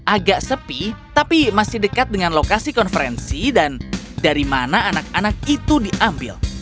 agak sepi tapi masih dekat dengan lokasi konferensi dan dari mana anak anak itu diambil